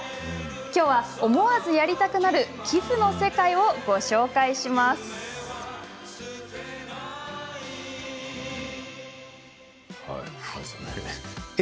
きょうは、思わずやりたくなる寄付の世界をご紹介します。え？